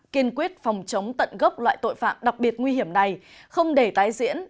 kiên quyết phòng chống tận gốc loại tội phạm đặc biệt nguy hiểm này không để tái diễn